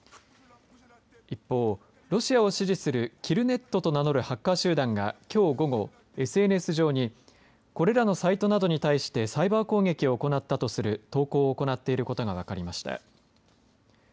一方、ロシアを支持するキルネットと名乗るハッカー集団がきょう午後、ＳＮＳ上にこれらのサイトなどに対してサイバー攻撃を行ったとする投稿を行っていることが分かりました。